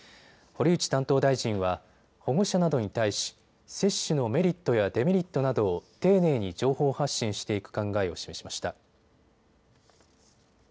堀内担当大臣は保護者などに対し接種のメリットやデメリットなどを丁寧に情報発信していく考えを示しました。